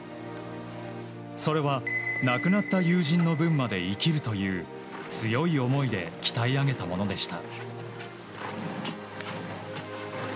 それは、亡くなった友人の分まで生きるという強い思いで鍛え上げたものでした。